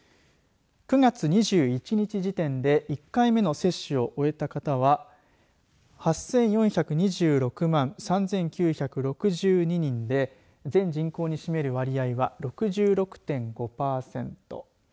９月２１日時点で１回目の接種を終えた方は８４２６万３９６２人で全人口に占める割合は６６．５パーセント。